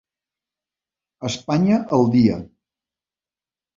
Espanya al dia.